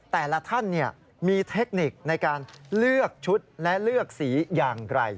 แต่ละท่านมีเทคนิคในการเลือกชุดและเลือกสีอย่างไร